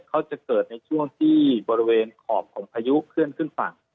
เขาจะเกิดในช่วงที่บริเวณขอบของพายุเคลื่อนขึ้นฝั่ง